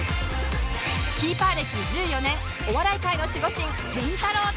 キーパー歴１４年お笑い界の守護神りんたろー。